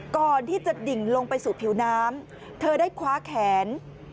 ก่อนที่จะดิ่งลงไปสู่ผิวน้ำเธอได้คว้าแขน